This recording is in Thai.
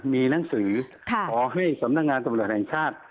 มีหนังสือขอให้สำนักงานตำรวจแห่งชาติ